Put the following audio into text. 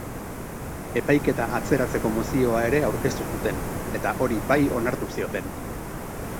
Epaiketa atzeratzeko mozioa ere aurkeztu zuten, eta hori bai onartu zioten.